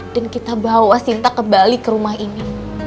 dan kita bawa sinta kembali ke rumah ini